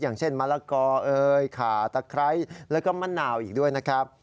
อย่างเช่นมะละกอเอยขาตะไคร้แล้วก็มะนาวอีกด้วยนะครับ